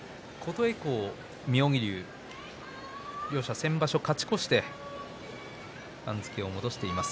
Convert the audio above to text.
琴恵光に妙義龍両者、先場所勝ち越して番付を戻しています。